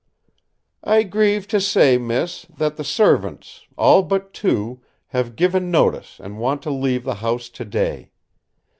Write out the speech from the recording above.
"I grieve to say, miss, that the servants, all but two, have given notice and want to leave the house today.